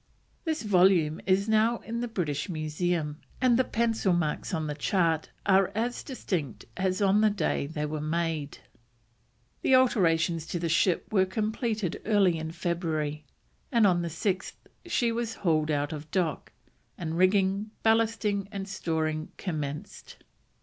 This volume is now in the British Museum, and the pencil marks on the chart are as distinct as on the day they were made. The alterations to the ship were completed early in February, and on the 6th she was hauled out of dock, and rigging, ballasting, and storing commenced.